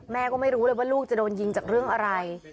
แม่ก็ไม่รู้เลยว่าลูกจะโดนยิงจากเรื่องอะไร